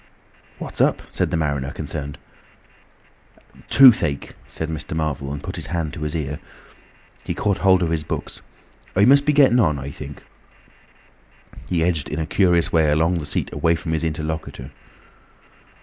"What's up?" said the mariner, concerned. "Toothache," said Mr. Marvel, and put his hand to his ear. He caught hold of his books. "I must be getting on, I think," he said. He edged in a curious way along the seat away from his interlocutor.